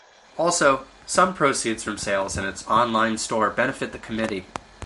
Also, some proceeds from sales in its online store benefit the committee.